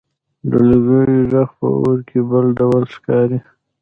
د لرګیو ږغ په اور کې بل ډول ښکاري.